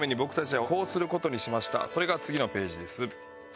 それが次のページです。